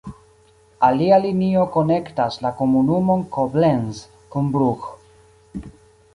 Alia linio konektas la komunumon Koblenz kun Brugg.